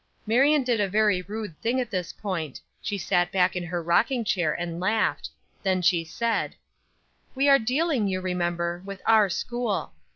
Marion did a very rude thing at this point she sat back in her rocking chair and laughed. Then she said: "We are dealing, you remember, with our school.